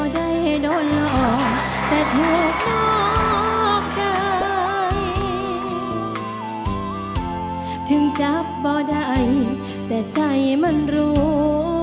แต่ถูกนอกใจถึงจับบ่อใดแต่ใจมันรู้